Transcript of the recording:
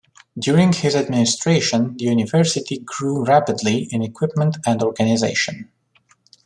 During his administration the University grew rapidly in equipment and organization.